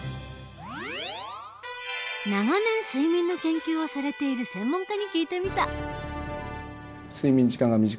長年睡眠の研究をされている専門家に聞いてみた。